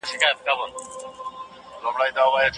هغه ماشین چې هانمین جوړ کړی و ډېر دقیق دی.